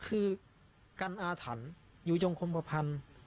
ก็คื่อกรรมอาถรรพ์อยู่ยงคลมพรภัณฑ์